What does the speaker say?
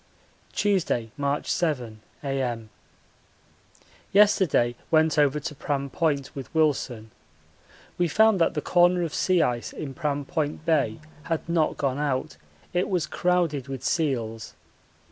Tuesday, March 7, A.M. Yesterday went over to Pram Point with Wilson. We found that the corner of sea ice in Pram Point Bay had not gone out it was crowded with seals.